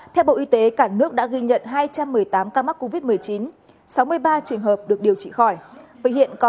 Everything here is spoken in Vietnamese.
theo bộ y tế cả nước đã ghi nhận hai trăm một mươi tám ca mắc covid một mươi chín sáu mươi ba trường hợp được điều trị khỏi